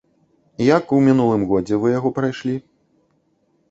Як у мінулым годзе вы яго прайшлі?